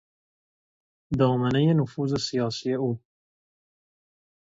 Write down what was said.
دامنهی نفوذ سیاسی او